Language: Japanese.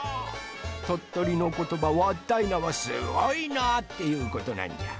とっとりのことば「わったいな」は「すごいな」っていうことなんじゃ。